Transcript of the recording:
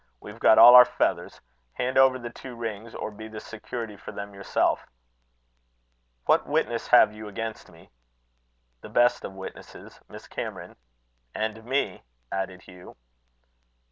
"We've got all our feathers. Hand over the two rings, or be the security for them yourself." "What witness have you against me?" "The best of witnesses Miss Cameron." "And me," added Hugh.